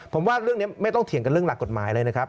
ผมว่าเรื่องนี้ไม่ต้องเถียงกันเรื่องหลักกฎหมายเลยนะครับ